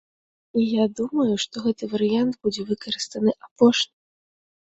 І я думаю, што гэты варыянт будзе выкарыстаны апошнім.